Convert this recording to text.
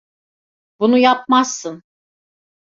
Bunu yapmazsın.